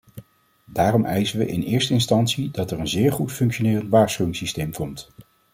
Daarom eisen we in eerste instantie dat er een zeer goed functionerend waarschuwingssysteem komt.